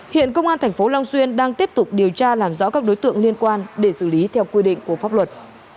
hiện công an tp long xuyên đang tiếp tục điều tra làm rõ các đối tượng liên quan để xử lý theo quy định của pháp luật